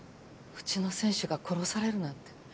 うちの選手が殺されるなんて。